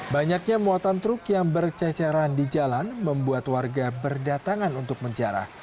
banyaknya muatan truk yang berceceran di jalan membuat warga berdatangan untuk menjarah